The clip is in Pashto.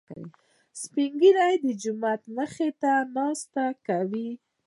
سپين ږيري د جومات مخې ته ناسته کوي.